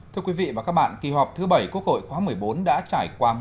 thưa quý vị và các bạn kỳ họp thứ bảy quốc hội khóa một mươi bốn đã trải qua